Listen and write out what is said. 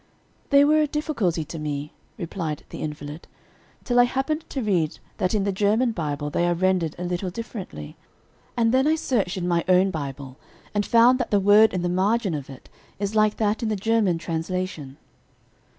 "They were a difficulty to me," replied the invalid, "till I happened to read that in the German Bible they are rendered a little differently; and then I searched in my own Bible, and found that the word in the margin of it, is like that in the German translation."